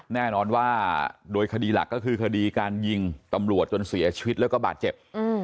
แน่นอนว่าโดยคดีหลักก็คือคดีการยิงตำรวจจนเสียชีวิตแล้วก็บาดเจ็บ